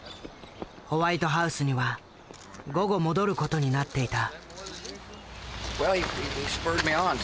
ホワイトハウスには午後戻る事になっていた。